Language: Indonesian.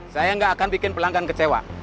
saya nggak akan bikin pelanggan kecewa